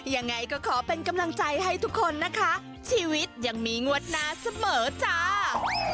ยังไงก็ขอเป็นกำลังใจให้ทุกคนนะคะชีวิตยังมีงวดหน้าเสมอจ้า